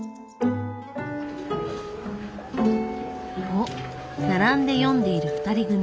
おっ並んで読んでいる２人組。